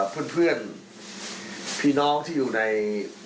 เพื่อนพี่น้องที่อยู่ใน